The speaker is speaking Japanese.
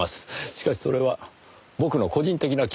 しかしそれは僕の個人的な気持ちです。